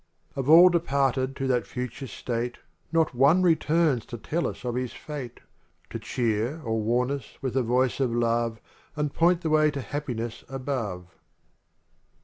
LXIV Of all departed to that future state , Not one returns to tell us of his fate, To cheer or warn us with a voice of love. And point the way to happiness above.